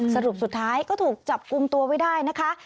สรุปสุดท้ายก็ถูกจับกลุ่มตัวไว้ได้นะคะ